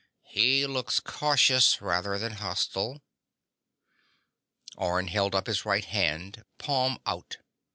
He looks cautious rather than hostile."_ Orne held up his right hand, palm out.